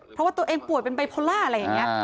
เพราะว่าตัวเองป่วยเป็นไบโพล่าอะไรอย่างนี้